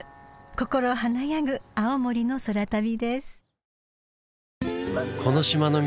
［心華やぐ青森の空旅です］